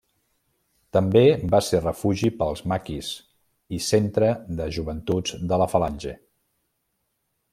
També va ser refugi pels maquis i centre de Joventuts de la Falange.